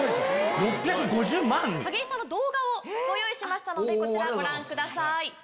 ⁉景井さんの動画をご用意しましたこちらご覧ください。